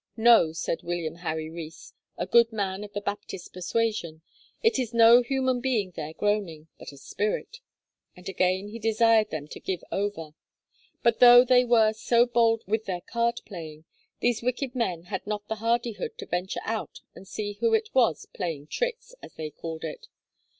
'No,' said William Harry Rees, a good man of the Baptist persuasion, 'it is no human being there groaning, but a spirit,' and again he desired them to give over. But though they were so bold with their card playing, these wicked men had not the hardihood to venture out and see who it was 'playing tricks,' as they called it.